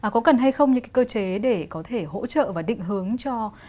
có cần hay không những cơ chế để có thể hỗ trợ và định hướng cho